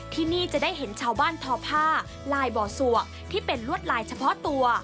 ที่นี่จะได้เห็นชาวบ้านทอผ้าลายบ่อสวกที่เป็นลวดลายเฉพาะตัว